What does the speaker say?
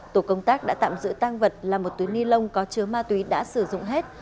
tổ công tác đã tạm giữ tăng vật là một túi ni lông có chứa ma túy đã sử dụng hết